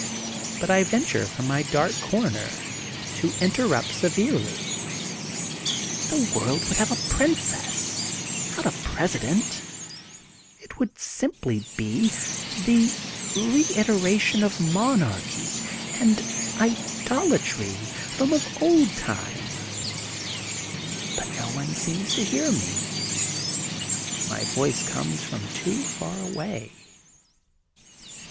But I venture, from my dark comer to interrupt severely: — The world would have a princess, jipt a president. It would simply be the reiteration of monarchy and idolatry from of old time." THE GOLDEN BOOK OF SPRINGFIELD 279 But no one seems to hear me. My voice comes from too far away.